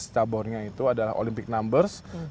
caburnya itu adalah olympic numbers